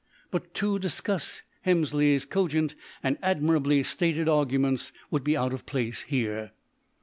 But to discuss Hemsley's cogent and admirably stated arguments would be out of place here.